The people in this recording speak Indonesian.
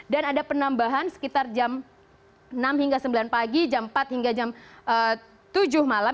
dan ada penambahan sekitar jam enam hingga sembilan pagi jam empat hingga jam tujuh malam